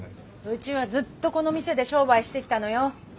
うちはずっとこの店で商売してきたのよ。